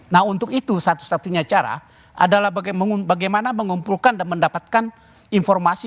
nah untuk itu satu satunya cara adalah bagaimana mengumpulkan dan mendapatkan informasi